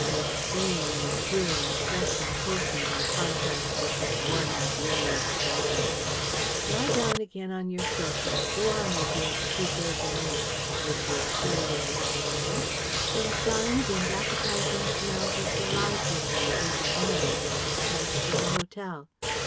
so clean and pure and fresh and wholesome by contrast with this worn out woman of pleasure. "Lie down again on your sofa, go on with your petit déjeuner which is surely rather late? There were signs and appetizing smells of the larger meal being imminent as I passed through the hotel.